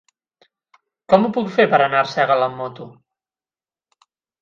Com ho puc fer per anar a Arsèguel amb moto?